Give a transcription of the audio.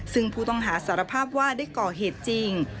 ซึ่งผู้ต้องหาสารภาพว่าได้ก่อเหตุจริง